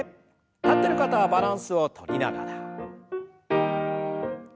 立ってる方はバランスをとりながら。